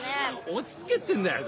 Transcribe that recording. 落ち着けってんだよ